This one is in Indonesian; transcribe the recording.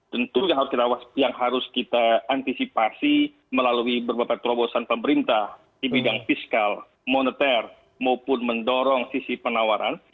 tentu yang harus kita antisipasi melalui beberapa terobosan pemerintah di bidang fiskal moneter maupun mendorong sisi penawaran